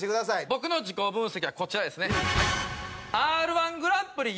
僕の自己分析はこちらですね。